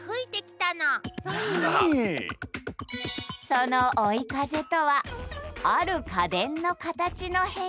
その追い風とは「ある家電のカタチの変化」。